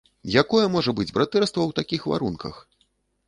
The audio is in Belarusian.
Якое можа быць братэрства ў такіх варунках?!